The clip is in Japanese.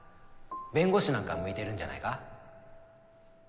弁護士なんか向いてるんじゃないか？